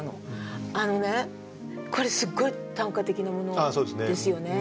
あのねこれすごい短歌的なものですよね。